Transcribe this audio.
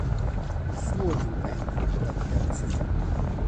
Il suo impegno tuttavia non si è fermato.